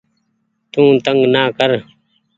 تو تنگ نآ ڪر